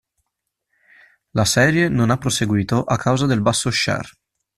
La serie non ha proseguito a causa del basso share.